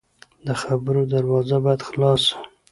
د خبرو دروازه باید خلاصه وي